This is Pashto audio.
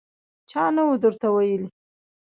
_چا نه و درته ويلي!